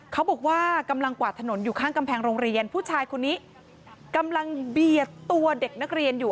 เขาบอกว่ากำลังกวาดถนนอยู่ข้างกำแพงโรงเรียนผู้ชายคนนี้กำลังเบียดตัวเด็กนักเรียนอยู่